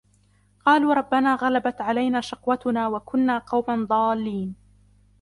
قالوا ربنا غلبت علينا شقوتنا وكنا قوما ضالين